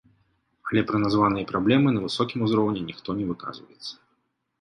Але пра названыя праблемы на высокім узроўні ніхто не выказваецца.